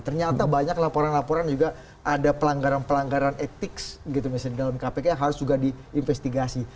ternyata banyak laporan laporan juga ada pelanggaran pelanggaran etik gitu misalnya di dalam kpk yang harus juga diinvestigasi